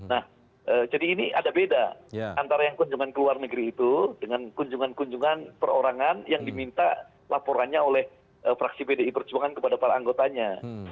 nah jadi ini ada beda antara yang kunjungan ke luar negeri itu dengan kunjungan kunjungan perorangan yang diminta laporannya oleh fraksi pdi perjuangan kepada para anggotanya